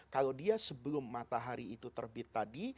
kalau dia sebelum matahari itu terbit tadi